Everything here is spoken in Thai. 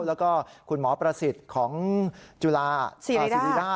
แล้วก็คุณหมอประสิทธิ์ของจุฬาศิริราช